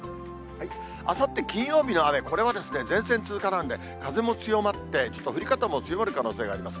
あさって金曜日の雨、これは前線通過なんで、風も強まって、ちょっと降り方も強まる可能性あります。